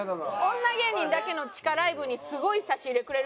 女芸人だけの地下ライブにすごい差し入れくれる。